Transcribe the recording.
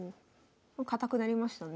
堅くなりましたね。